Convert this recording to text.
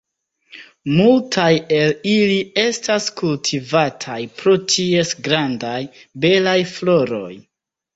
Multaj el ili estas kultivataj pro ties grandaj, belaj floroj.